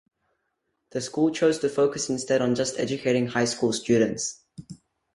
The school chose to focus instead on just educating high school students.